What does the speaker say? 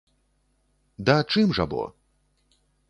Да чым жа бо?!